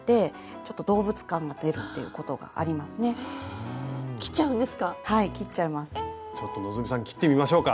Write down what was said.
ちょっと希さん切ってみましょうか。